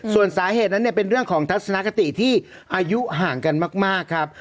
ส่วนสาเหตุนั้นเนี่ยเป็นเรื่องของทัศนคติที่อายุห่างกันมากครับ